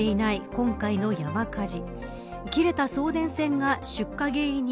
今回の山火事。